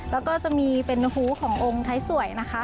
แล้วก็จะมีเป็นหูขององค์ไทยสวยนะคะ